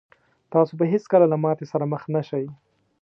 تاسو به هېڅکله له ماتې سره مخ نه شئ.